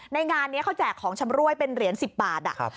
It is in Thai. ในงานนี้เขาแจกของชำรวยเป็นเหรียญสิบบาทอะครับ